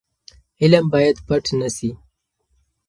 علم باید پټ نه سي.